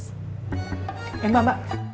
eh mbak mbak